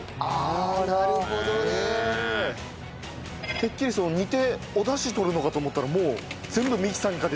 てっきり煮ておダシ取るのかと思ったらもう全部ミキサーにかけて。